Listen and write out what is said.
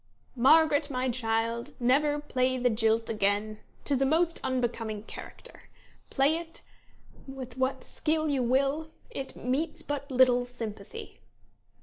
"'Margaret, my child, never play the jilt again; 'tis a most unbecoming character. Play it with what skill you will, it meets but little sympathy.'